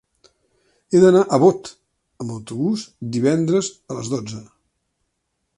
He d'anar a Bot amb autobús divendres a les dotze.